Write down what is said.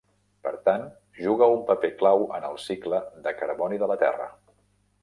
Per tant, juga un paper clau en el cicle de carboni de la Terra.